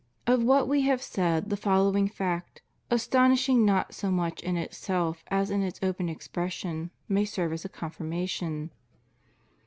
Of what We have said the following fact, astonishing not so much in itself as in its open expression, may serve as a confirmation.